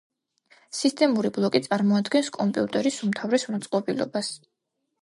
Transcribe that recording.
სისტემური ბლოკი წარმოადგენს კომპიუტერის უმთავრეს მოწყობილობას.